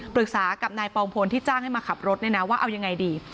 ปรึกษากับนายปองพลที่จ้างให้มาขับรถเนี่ยนะว่าเอายังไงดี